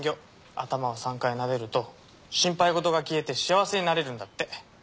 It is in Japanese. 頭を３回なでると心配事が消えて幸せになれるんだって。